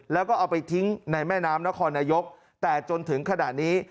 แล้วก็เอาไปทิ้งในแม่น้ำนครนายกแต่จนถึงขณะนี้